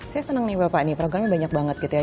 saya senang nih bapak nih programnya banyak banget gitu ya